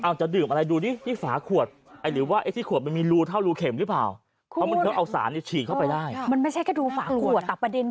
อันนี้ต้องระวังด้วย